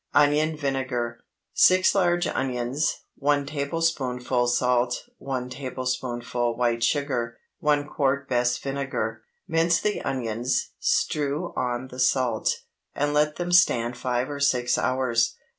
ONION VINEGAR. 6 large onions. 1 tablespoonful salt. 1 tablespoonful white sugar. 1 quart best vinegar. Mince the onions, strew on the salt, and let them stand five or six hours.